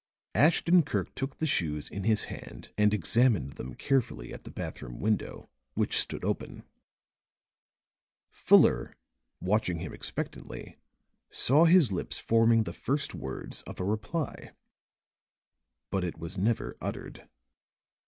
Ashton Kirk took the shoes in his hand and examined them carefully at the bathroom window, which stood open. Fuller, watching him expectantly, saw his lips forming the first words of a reply. But it was never uttered.